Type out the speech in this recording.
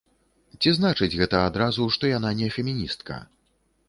Ці значыць гэта адразу, што яна не феміністка?